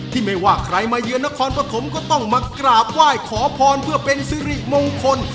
ไม่ว่าใครมาเยือนนครปฐมก็ต้องมากราบไหว้ขอพรเพื่อเป็นสิริมงคล